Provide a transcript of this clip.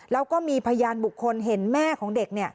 แล้วก็มีพยานบุคคลเห็นแม่ของเด็ก